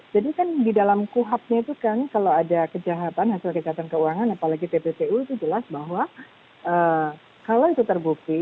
jadi kan di dalam kuhabnya itu kan kalau ada kejahatan hasil kejahatan keuangan apalagi pbcu itu jelas bahwa kalau itu terbukti